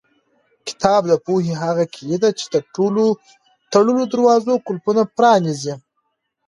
کتاب د پوهې هغه کلۍ ده چې د ټولو تړلو دروازو قلفونه پرانیزي.